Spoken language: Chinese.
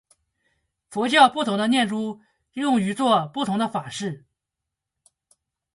佛教不同的念珠用于作不同法事。